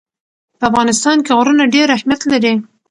په افغانستان کې غرونه ډېر اهمیت لري.